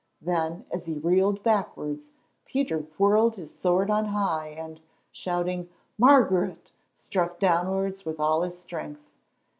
Then, as he reeled backwards, Peter whirled his sword on high, and, shouting "Margaret!" struck downwards with all his strength.